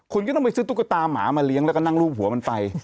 คุณก็ต้องไปซื้อตุ๊กตาหมามาเลี้ยงแล้วก็นั่งรูปหัวมันไป